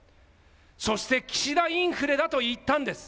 そして岸田インフレだと言ったんです。